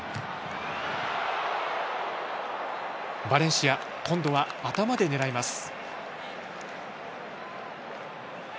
バレンシア、今度は頭で狙います。